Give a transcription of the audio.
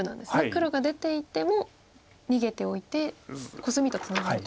黒が出ていっても逃げておいてコスミとツナがると。